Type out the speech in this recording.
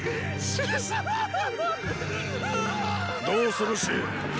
どうする信。